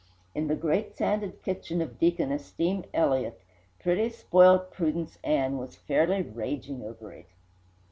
In the great sanded kitchen of Deacon Esteem Elliott pretty, spoilt Prudence Ann was fairly raging over it.